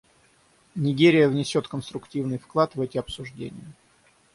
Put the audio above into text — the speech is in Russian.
Нигерия внесет конструктивный вклад в эти обсуждения.